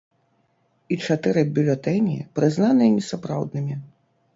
І чатыры бюлетэні прызнаныя несапраўднымі.